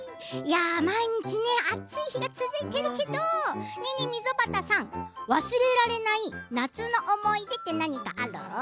毎日暑い日が続いてるけど溝端さん、忘れられない夏の思い出って何かある？